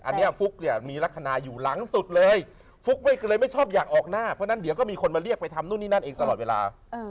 อันนี้ฟุ๊กเนี่ยมีลักษณะอยู่หลังสุดเลยฟุ๊กเลยไม่ชอบอยากออกหน้าเพราะฉะนั้นเดี๋ยวก็มีคนมาเรียกไปทำนู่นนี่นั่นเองตลอดเวลา